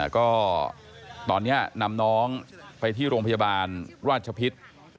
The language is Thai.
ก็ตอนนี้นำน้องไปที่โรงพยาบาลราชพิษ